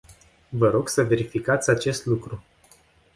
Vă rog să verificați acest lucru.